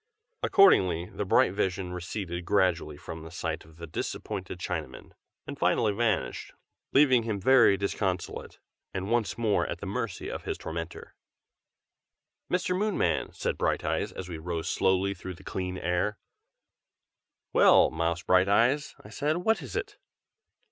Accordingly the bright vision receded gradually from the sight of the disappointed Chinaman, and finally vanished, leaving him very disconsolate, and once more at the mercy of his tormentor. "Mr Moonman!" said Brighteyes, as we rose slowly through the clear air. "Well, Mouse Brighteyes!" I said, "what is it?"